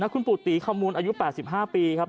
คุณปู่ตีขมูลอายุ๘๕ปีครับ